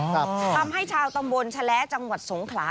ทำให้ชาวตำบลชะแล้จังหวัดสงขลา